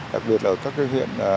đặc biệt là ở các cái huyện